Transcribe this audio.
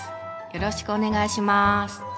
よろしくお願いします。